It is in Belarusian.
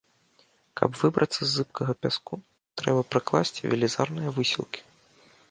Каб выбрацца з зыбкага пяску, трэба прыкласці велізарныя высілкі.